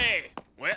おや？